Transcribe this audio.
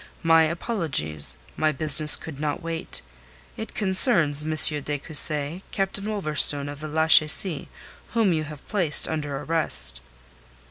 "My apologies. My business could not wait. It concerns, M. de Cussy, Captain Wolverstone of the Lachesis, whom you have placed under arrest."